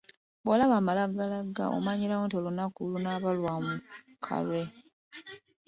Bw'olaba amalangalanga omanyirawo nti olunaku lunaaba lwa mukalwe.